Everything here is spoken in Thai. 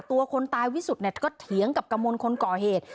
ตัวคนตายวิสุทธิ์เนี่ยก็เถียงกับกระมวลคนก่อเหตุ